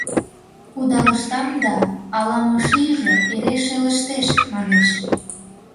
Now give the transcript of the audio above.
— Кудалыштам да... ала-мо шийже эре шелыштеш, манеш.